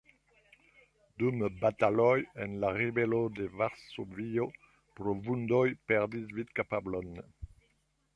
Dum bataloj en la ribelo de Varsovio pro vundoj perdis vidkapablon.